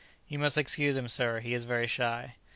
"You must excuse him, sir; he is very shy."